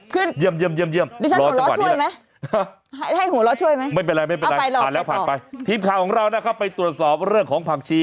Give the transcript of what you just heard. ขึ้นเยี่ยมรอชีพของเราน่ะครับตรวจสอบเรื่องของผักชี